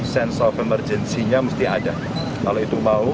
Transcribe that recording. sense of emergency nya mesti ada kalau itu mau